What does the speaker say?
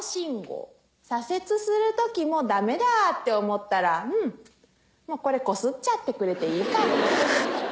左折するときもうダメだって思ったらうんもうこれこすちゃってくれていいから。